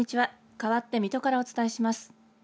かわって水戸からお伝えします。